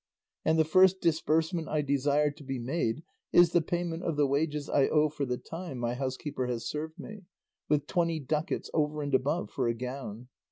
And the first disbursement I desire to be made is the payment of the wages I owe for the time my housekeeper has served me, with twenty ducats, over and above, for a gown.